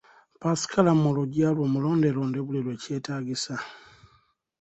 Ppaasikalamu mu luggya lwo, mulonde londe buli lwekyetaagisa.